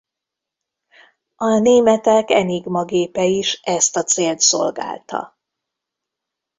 A németek Enigma gépe is ezt a célt szolgálta.